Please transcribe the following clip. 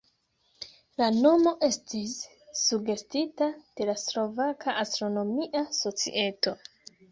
La nomo estis sugestita de la Slovaka Astronomia Societo.